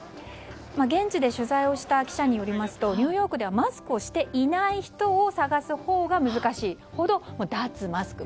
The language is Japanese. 現地で取材をした記者によりますとニューヨークではマスクをしていない人を探すほうが難しいほど脱マスク。